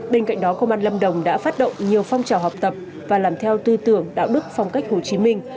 bên cạnh đó công an lâm đồng đã phát động nhiều phong trào học tập và làm theo tư tưởng đạo đức phong cách hồ chí minh